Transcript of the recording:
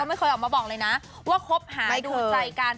ไม่เคยออกมาบอกเลยนะว่าคบหาดูใจกัน